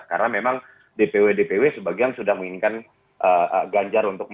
karena memang dpw dpw sebagai yang sudah menginginkan ganjar untuk